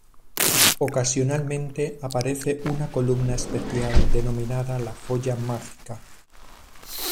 Ocasionalmente aparece una columna especial denominada la Joya Mágica.